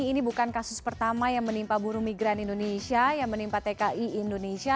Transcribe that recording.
ini bukan kasus pertama yang menimpa buru migran indonesia yang menimpa tki indonesia